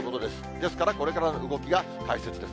ですからこれからの動きが大切です。